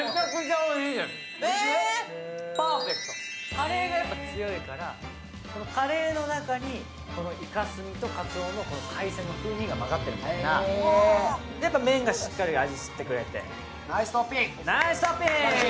カレーがやっぱ強いからカレーの中にイカスミとカツオの海鮮の風味がまざっているみたいな、やっぱ麺がしっかり味を吸ってくれて。